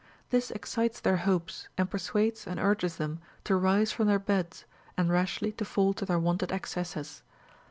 This excites their hopes, and persuades and urges them to rise from their beds and rashly to fall to their wonted excesses.